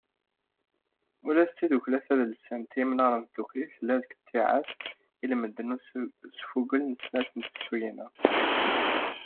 Ula d tidukkla tadelsant “Imnar n Tdukli”, tella deg ttiɛad ilmend n usfugel s snat n tefsuyin-a.